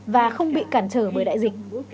và không bị cản trở bởi đại dịch